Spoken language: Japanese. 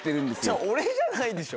違う俺じゃないでしょ。